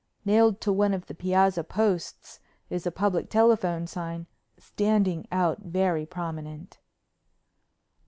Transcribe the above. Nailed to one of the piazza posts is a public telephone sign standing out very prominent.